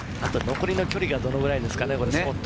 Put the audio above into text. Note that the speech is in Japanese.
残りの距離がどのぐらいですかね。